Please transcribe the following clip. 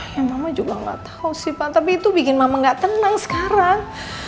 yang mama juga nggak tahu sih pak tapi itu bikin mama gak tenang sekarang